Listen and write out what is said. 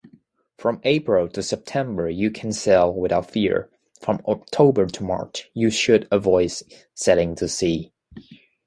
From April to September, you can sail without fear; from October to March, you should avoid setting to sea.